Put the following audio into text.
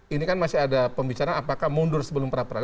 ini kan masih ada pembicaraan apakah mundur sebelum peradilan